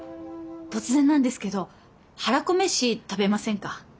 突然なんですけどはらこ飯食べませんか？